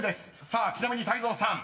［さあちなみに泰造さん］